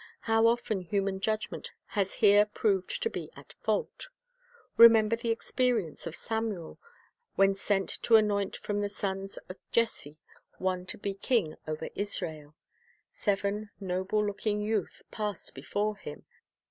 How often human judgment has here proved to be at fault! Remember the experience of Samuel when sent to anoint from the sons of Jesse one to be king over Israel. Seven noble looking youth passed before him.